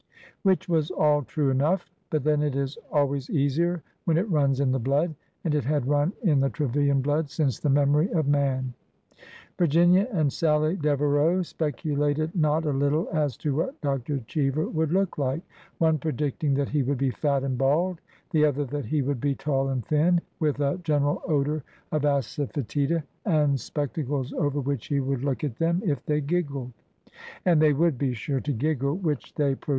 Which v/as all true enough ; but then it is always easier when it runs in the blood, — and it had run in the Trevilian blood since the memory of man. Virginia and Sallie Devereau speculated not a little as to what Dr. Cheever would look Tike : one predicting that he would be fat and bald ; the other, that he would be tall and thin, with a general odor of asafetida, and spec tacles over which he would look at them if they giggled, — and they would be sure to giggle, — which they pro 98 ORDER NO.